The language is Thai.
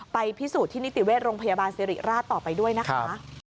พิสูจน์ที่นิติเวชโรงพยาบาลสิริราชต่อไปด้วยนะคะ